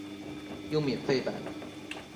用免費版